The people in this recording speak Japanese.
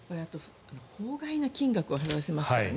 法外な金額を払わせますからね。